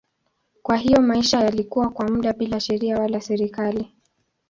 Kwa hiyo maisha yalikuwa kwa muda bila sheria wala serikali.